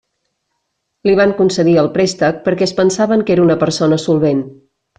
Li van concedir el préstec perquè es pensaven que era una persona solvent.